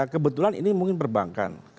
kebetulan ini mungkin perbankan